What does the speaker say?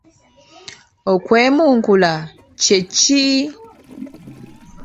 Okwemunkula kye ki?